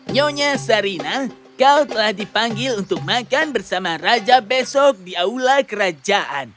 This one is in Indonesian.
nyonya sarina kau telah dipanggil untuk makan bersama raja besok di aula kerajaan